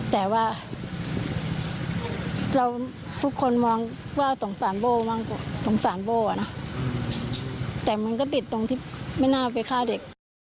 แต่ว่าเราทุกคนมองว่าสงสารโบ้มากกว่าสงสารโบ้อ่ะนะแต่มันก็ติดตรงที่ไม่น่าไปฆ่าเด็ก